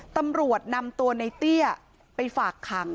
ตำรวจนำตัวในเตี้ยไปฝากขัง